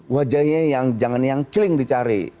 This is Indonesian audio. wajahnya yang jangan yang celing dicari